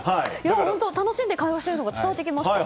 楽しんで会話しているのが伝わってきました。